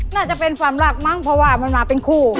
น่าจะเป็นความรักมั้งเพราะว่ามันมาเป็นคู่